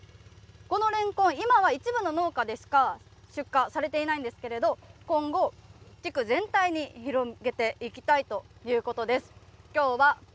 このレンコン、今は一部の農家でしか出荷されていないんですけれども、今後、地区全体に広げていきたいということです。